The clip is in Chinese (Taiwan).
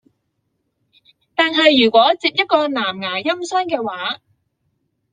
但是如果接一個藍芽音箱的話